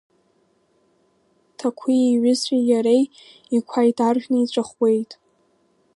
Ҭакәи иҩызцәеи иареи икәа иҭаршәны иҵәахуеит.